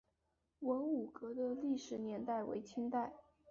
文武阁的历史年代为清代。